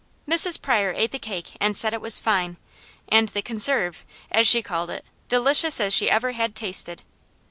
Mrs. Pryor ate the cake and said it was fine; and the 'conserve,' she called it, delicious as she ever had tasted.